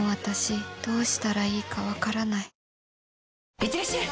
いってらっしゃい！